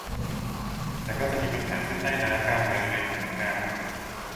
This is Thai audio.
แต่ก็จะมีปัญหาคลื่นใต้น้ำการเมืองในสำนักงาน